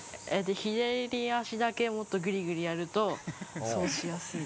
左足だけもっとぐりぐりやると、そうしやすい。